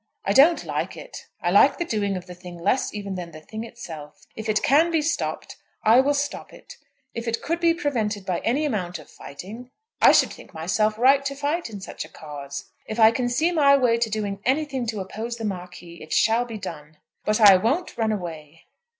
I don't like it. I like the doing of the thing less even than the thing itself. If it can be stopped, I will stop it. If it could be prevented by any amount of fighting, I should think myself right to fight in such a cause. If I can see my way to doing anything to oppose the Marquis, it shall be done. But I won't run away."